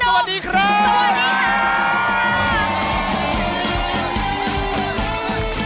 สวัสดีครับ